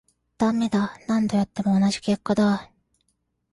ダメだ、何度やっても同じ結果だ